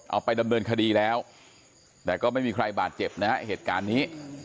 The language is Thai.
เอาไปดำเนินคดีแล้วแต่ก็ไม่มีใครบาดเจ็บนะฮะเหตุการณ์นี้